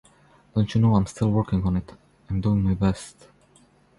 Don't you know I'm still working on it? I'm doing my best.